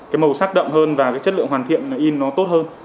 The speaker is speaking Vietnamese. cái màu sắc đậm hơn và cái chất lượng hoàn thiện in nó tốt hơn